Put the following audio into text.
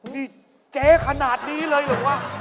นี่เจ๊ขนาดนี้เลยหรือเปล่าว่ะ